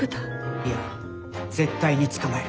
いや絶対に捕まえる。